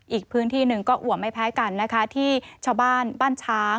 อีกพื้นที่หนึ่งก็อ่วมไม่แพ้กันนะคะที่ชาวบ้านบ้านช้าง